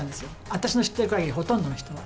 私の知ってるかぎり、ほとんどの人は。